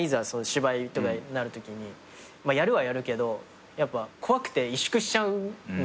芝居とかになるときにやるはやるけど怖くて萎縮しちゃうのよ。